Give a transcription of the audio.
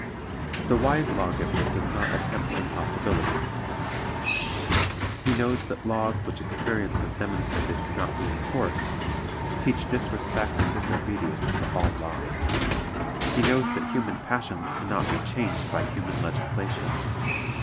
"The wise lawgiver does not attempt impossibilities. He knows that laws which experience has demonstrated can not be enforced, teach disrespect and disobedience to all law. He knows that human passions can not be changed by human legislation.